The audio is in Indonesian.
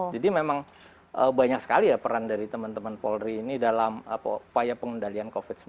jadi memang banyak sekali peran dari teman teman polri ini dalam upaya pengendalian covid sembilan belas